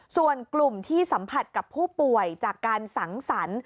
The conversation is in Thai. ส่วนกลุ่มที่สัมผัสกับผู้ป่วยจากการสังสรรค์